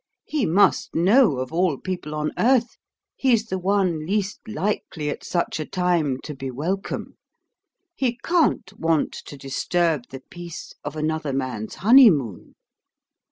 He must know of all people on earth he's the one least likely at such a time to be welcome. He can't want to disturb the peace of another man's honeymoon!"